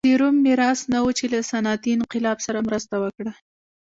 د روم میراث نه و چې له صنعتي انقلاب سره مرسته وکړه.